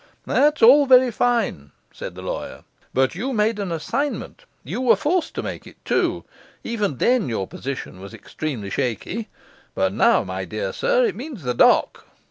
'That's all very fine,' said the lawyer; 'but you made an assignment, you were forced to make it, too; even then your position was extremely shaky; but now, my dear sir, it means the dock.